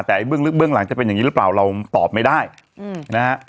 แต่เบื้องลึกเบื้องหลังจะเป็นอย่างนี้หรือเปล่าเราตอบไม่ได้นะฮะ